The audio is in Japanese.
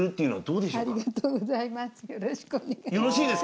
よろしくお願いします。